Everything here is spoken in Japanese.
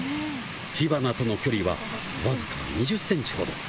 火花との距離はわずか２０センチほど。